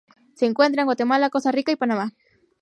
Se encuentra en Guatemala, Costa Rica y Panamá.